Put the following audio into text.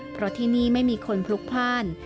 เพราะที่นี่ไม่มีคนพลุกพ่าน